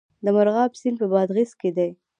د مرغاب سیند په بادغیس کې دی